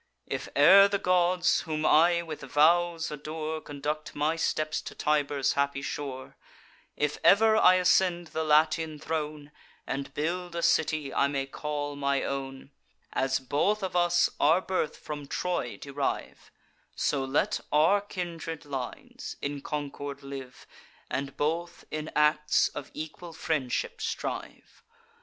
If e'er the gods, whom I with vows adore, Conduct my steps to Tiber's happy shore; If ever I ascend the Latian throne, And build a city I may call my own; As both of us our birth from Troy derive, So let our kindred lines in concord live, And both in acts of equal friendship strive.